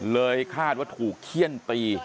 เลยคาดว่าถูกเขี้ยนตี